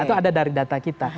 itu ada dari data kita